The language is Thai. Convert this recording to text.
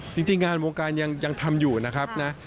จริงงานวงการยังทำอยู่นะครับนะ